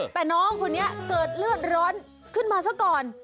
แต่น้องคนนี้เกิดเลือดร้อนขึ้นมาซะก่อน